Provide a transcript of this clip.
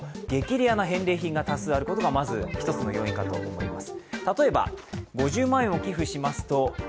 レアな返礼品があることが１つの要因かと思います。